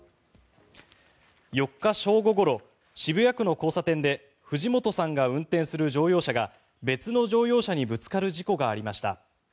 ４日正午ごろ、渋谷区の交差点で藤本さんが運転する乗用車が別の乗用車にぶつかる事故がありました。